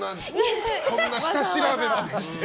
そんな下調べまでして。